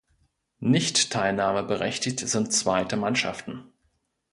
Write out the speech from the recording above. Nicht teilnahmeberechtigt sind zweite Mannschaften.